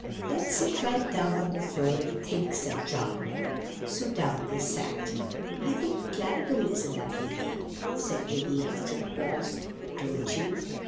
"Let's sit right down on the floor and think!" said John. So down they sat. "I think Claribel is a lovely name!" said Lily, after a pause. "Don't you?"